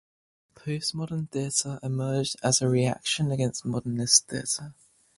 Postmodern theatre emerged as a reaction against modernist theatre.